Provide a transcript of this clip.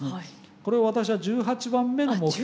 これを私は１８番目の目標。